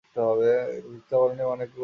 বুঝতে পারোনি মানে কী বলতে চাচ্ছ তুমি?